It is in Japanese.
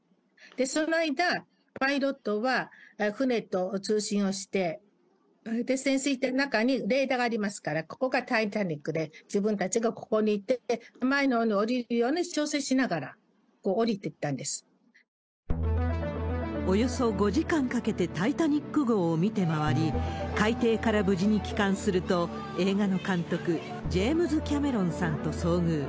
その間、パイロットは船と通信をして、潜水艇の中にレーダーがありますから、ここがタイタニックで、自分たちがここにいて、前のほうに下りるように調整しながら、およそ５時間かけてタイタニック号を見て回り、海底から無事に帰還すると、映画の監督、ジェームズ・キャメロンさんと遭遇。